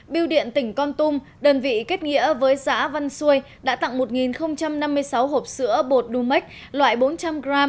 biêu điện tỉnh con tum đơn vị kết nghĩa với xã văn xôi đã tặng một năm mươi sáu hộp sữa bột đu mếch loại bốn trăm linh g